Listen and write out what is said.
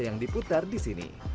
yang di putar disini